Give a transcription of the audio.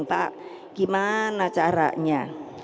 pak gimana caranya